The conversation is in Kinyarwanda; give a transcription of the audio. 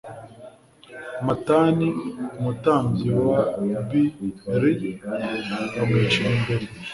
matani umutambyi wa b li bamwicira imbere